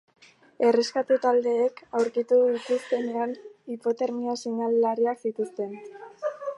Erreskate taldeek aurkitu dituztenean hipotermia seinale larriak zituzten.